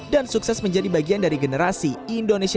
dan sukses menjadi bagian dari generasi indonesia